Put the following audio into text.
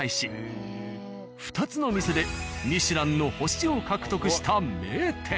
２つの店でミシュランの星を獲得した名店。